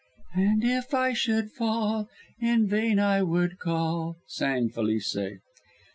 "And if I should fall, In vain I would call," sang Felice.